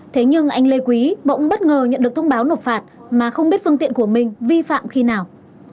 thế nhưng anh lê quý bỗng bất ngờ nhận được thông báo nộp phạt mà không biết phương tiện của mình vi phạm khi nào